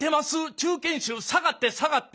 中堅手下がって下がって。